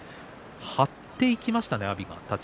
張っていきましたね、阿炎。